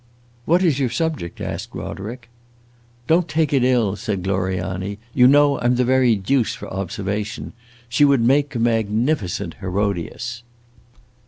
'" "What is your subject?" asked Roderick. "Don't take it ill," said Gloriani. "You know I 'm the very deuce for observation. She would make a magnificent Herodias!"